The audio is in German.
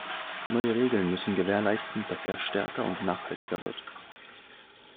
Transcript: Neue Regeln müssen gewährleisten, dass er stärker und nachhaltiger wird.